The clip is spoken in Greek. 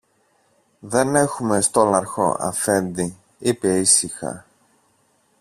Δεν έχουμε στόλαρχο, Αφέντη, είπε ήσυχα.